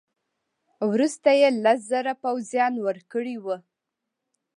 وروسته یې لس زره پوځیان ورکړي وه.